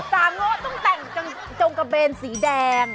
โง่ต้องแต่งจงกระเบนสีแดง